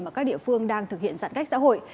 mà các địa phương đang thực hiện giãn cách xã hội